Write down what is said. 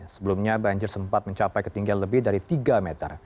sebelumnya banjir sempat mencapai ketinggian lebih dari tiga meter